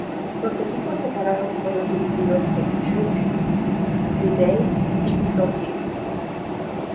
Los equipos separados fueron dirigidos por Chuck Liddell y Tito Ortiz.